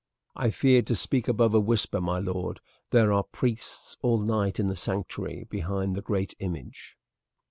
"I feared to speak above a whisper, my lord; there are priests all night in the sanctuary behind the great image."